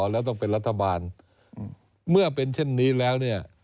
แล้วต้องเป็นรัฐบาลเมื่อเป็นเช่นนี้แล้วเนี่ย